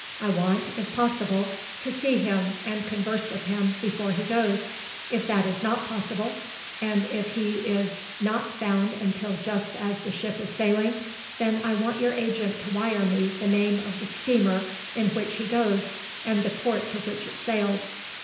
I want, if possible, to see him and converse with him before he goes. If that is not possible, and if he is not found until just as the ship is sailing, then I want your agent to wire to me the name of the steamer in which he goes and the port to which it sails.